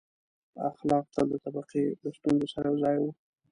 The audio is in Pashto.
• اخلاق تل د طبقې له ستونزې سره یو ځای وو.